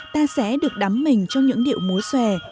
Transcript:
ta sẽ được đắm mình trong những điệu múa xòe